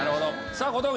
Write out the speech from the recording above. さあ小峠。